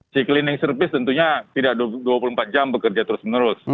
si cleaning service tentunya tidak dua puluh empat jam bekerja terus menerus